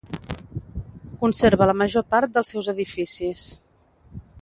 Conserva la major part dels seus edificis.